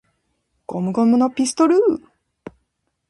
ゴムゴムのピストル!!!